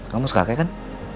kamu suka cake kan